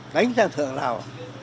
đánh sang thượng lào